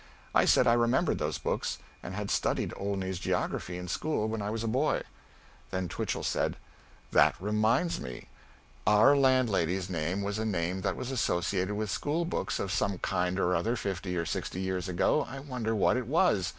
I said I remembered those books, and had studied Olney's Geography in school when I was a boy. Then Twichell said, "That reminds me our landlady's name was a name that was associated with school books of some kind or other fifty or sixty years ago. I wonder what it was.